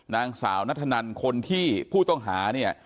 นางสาวนัทธนันคนที่ผู้ต้องหาเนี่ย